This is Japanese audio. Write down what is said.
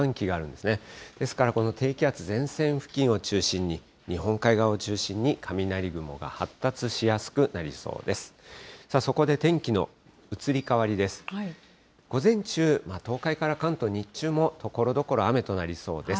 ですからこの低気圧、前線付近を中心に、日本海側を中心に、雷雲が発達しやすくなりそうです。